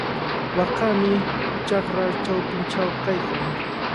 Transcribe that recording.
Waakami chakra chawpinchaw kaykan.